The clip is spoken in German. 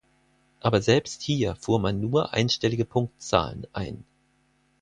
Aber selbst hier fuhr man nur einstellige Punktzahlen ein.